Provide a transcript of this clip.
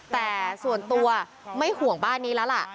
แต่ส่วนตัวไม่ห่วงบ้านนี้แล้วล่ะ